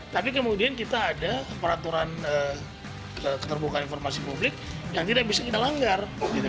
tapi kemudian kita ada peraturan keterbukaan informasi publik yang tidak bisa kita langgar